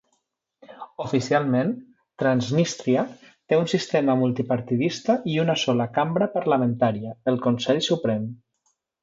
Oficialment, Transnístria té un sistema multipartidista i una sola cambra parlamentària, el Consell Suprem.